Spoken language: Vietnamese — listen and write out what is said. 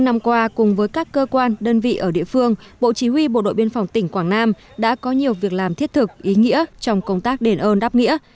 hôm qua cùng với các cơ quan đơn vị ở địa phương bộ chí huy bộ đội biên phòng tỉnh quảng nam đã có nhiều việc làm thiết thực ý nghĩa trong công tác đền ơn đáp nghĩa